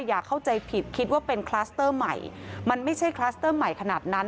อย่าเข้าใจผิดคิดว่าเป็นคลัสเตอร์ใหม่มันไม่ใช่คลัสเตอร์ใหม่ขนาดนั้น